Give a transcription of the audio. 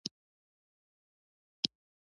وزې خپل کوچنی غږ سره باسي